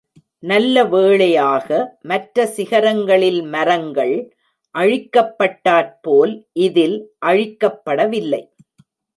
நல்ல வேளையாக, மற்ற சிகரங்களில் மரங்கள் அழிக்கப்பட்டாற்போல் இதில் அழிக்கப்படவில்லை.